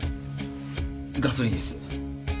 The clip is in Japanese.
ガソリンです。